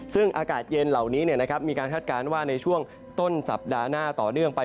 ซึ่งอากาศเย็นเหล่านี้มีการคาดการณ์ว่าในช่วงต้นสัปดาห์หน้าต่อเนื่องไป